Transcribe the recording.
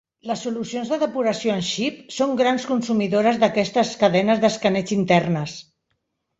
Les solucions de depuració en xip són grans consumidores d'aquestes cadenes d'escaneig internes.